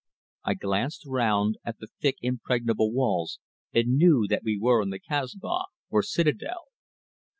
I glanced round at the thick impregnable walls and knew that we were in the Kasbah, or citadel.